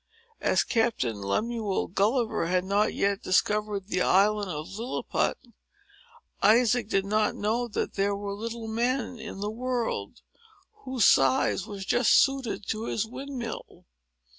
As Captain Lemuel Gulliver had not yet discovered the island of Lilliput, Isaac did not know that there were little men in the world, whose size was just suited to his windmill.